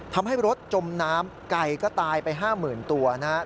ทำให้รถจมน้ำไก่ก็ตายไป๕๐๐๐ตัวนะครับ